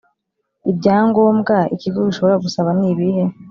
ibya ngombwa ikigo gishobora gusaba nibihe